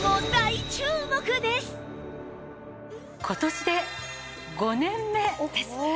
今年で５年目です。